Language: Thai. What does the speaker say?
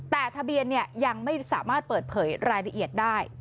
แต่ทะเบียนยังไม่สามารถเปิดเผยรายละเอียดได้